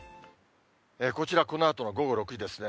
こちら、このあとの午後６時ですね。